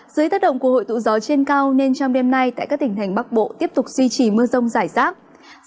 dưới tác động của hội tụ gió trên cao nên trong đêm nay tại các tỉnh thành bắc bộ tiếp tục duy trì mưa rông rải rác